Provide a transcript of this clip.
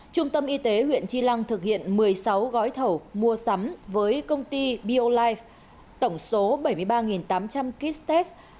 trung tâm y tế huyện chi lăng thực hiện một mươi sáu gói thầu mua sắm với công ty bio life tổng số bảy mươi ba tám trăm linh kit test